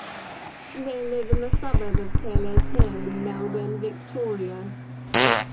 They live in the suburb of Taylors Hill, in Melbourne, Victoria.